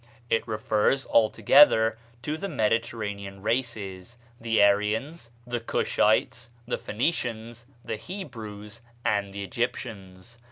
It refers altogether to the Mediterranean races, the Aryans, the Cushites, the Phoenicians, the Hebrews, and the Egyptians.